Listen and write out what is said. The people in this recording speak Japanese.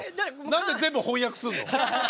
何で全部翻訳するの？